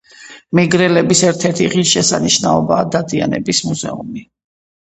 მეგრელების ერთ-ერთი ღირს შესანიშნაობაა დადიანების მუზეუმი